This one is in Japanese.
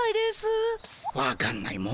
わかんないもんだな。